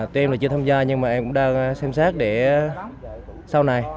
tụi em là chưa tham gia nhưng mà em cũng đang xem xét để sau này